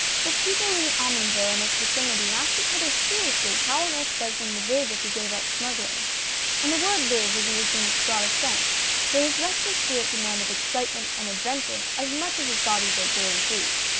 But people in Omonville and its vicinity asked each other seriously how on earth Beslin would live if he gave up smug gling — and the word live was used in its broadest THE SMUGGLER. 39 sense, for his restless spirit demanded excitement and adventure as much as his body did his daily food.